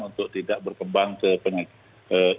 untuk tidak berkembang ke penyakit